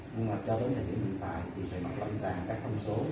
nhưng mà cho đến thời điểm hiện tại thì phải mặc tầm ràng các thông số